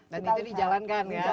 dan itu dijalankan ya